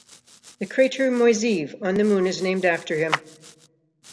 The crater Moiseev on the Moon is named after him.